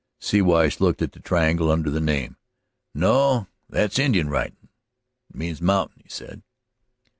Siwash looked at the triangle under the name. "No, that's Indian writin'; it means a mountain," he said.